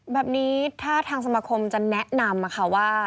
แบบนี้ถ้าทางสมาคมจะแนะนำค่ะว่า